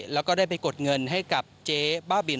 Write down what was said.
แล้วก็ได้ไปกดเงินให้กับเจ๊บ้าบิน